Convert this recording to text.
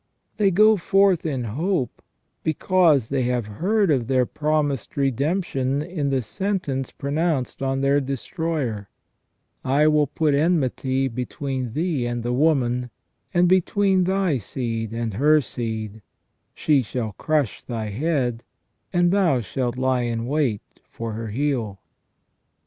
They go forth in hope, because they have heard of their promised redemption in the sentence pronounced on their destroyer :" I will put enmity between thee and the woman, and between thy seed and her seed ; she shall crush thy head, and thou shalt lie in wait for her heel